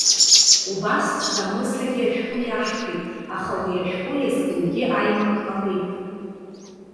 Убасҵәҟьа Мысагьы ашәҟәы иаҳҭеит, аха уи ашәҟәы иазкынгьы аимак ҟалеит.